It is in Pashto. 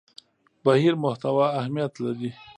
بهیر محتوا اهمیت لري.